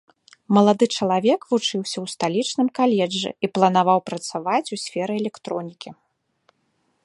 Малады чалавек вучыўся ў сталічным каледжы і планаваў працаваць у сферы электронікі.